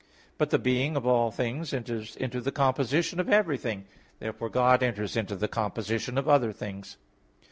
But the being of all things enters into the composition of everything. Therefore God enters into the composition of other things.